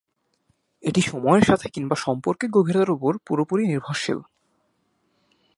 এটি সময়ের সাথে কিংবা সম্পর্কের গভীরতার উপর পুরোপুরি নির্ভরশীল।